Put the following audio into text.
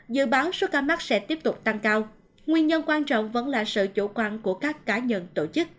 dự báo số ca mắc sẽ tiếp tục tăng cao nguyên nhân quan trọng vẫn là sự chủ quan của các cá nhân tổ chức